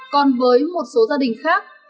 còn với một số gia đình khác